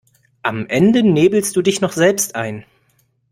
Am Ende nebelst du dich noch selbst ein.